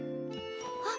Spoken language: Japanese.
あっ！